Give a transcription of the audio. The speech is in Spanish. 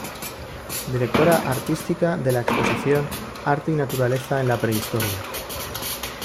Directora artística de la exposición "Arte y naturaleza en la prehistoria".